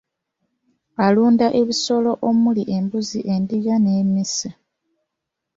Alunda ebisolo omuli embuzi endiga n'emmese.